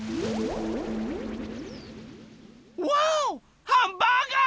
わおハンバーガー！